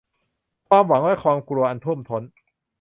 "ความหวังและความกลัวอันท่วมท้น"